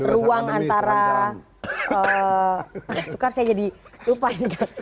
ruang antara itu kan saya jadi lupa ini kan